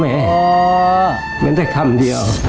เหมือนจะทำเดียว